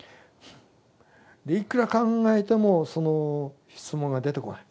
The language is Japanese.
いくら考えてもその質問が出てこないもう。